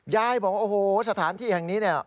ยายบอกว่าโอ้โหสถานที่แห่งนี้เนี่ย